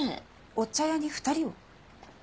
お茶屋に２人を？